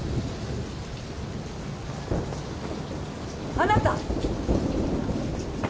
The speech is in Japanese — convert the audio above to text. あなた！